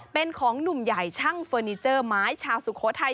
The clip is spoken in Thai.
เป็นของหนุ่มใหญ่ช่างเฟอร์นิเจอร์ไม้ชาวสุโขทัย